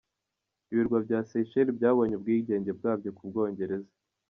Ibirwa bya Seychelles byabonye ubwigenge bwabyo ku Bwongereza.